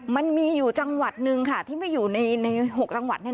มันมีอยู่จังหวัดหนึ่งค่ะที่ไม่อยู่ใน๖จังหวัด